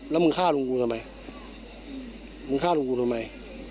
แล้วมึงฆ่าลุงกูทำไมมึงฆ่าลุงกูทำไม